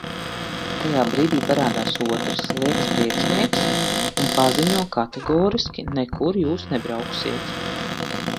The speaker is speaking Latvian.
"Tajā brīdī parādās otrs, liekas, priekšnieks un paziņo kategoriski "nekur Jūs nebrauksiet"."